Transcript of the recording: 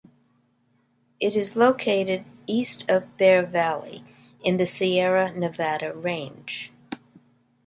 It is located east of Bear Valley in the Sierra Nevada range.